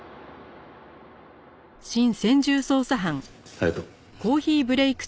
ありがとう。